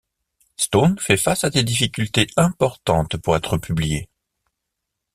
Stone fait face à des difficultés importantes pour être publié.